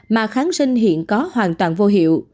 mà kháng sinh hiện có hoàn toàn vô hiệu